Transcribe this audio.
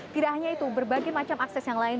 tidak hanya itu berbagai macam akses yang lain